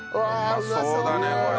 うまそうだねこれ。